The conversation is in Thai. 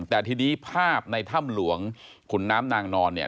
แต่ทีนี้ภาพในถ้ำหลวงขุนน้ำนางนอนเนี่ย